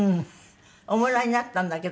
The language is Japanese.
おもらいになったんだけども。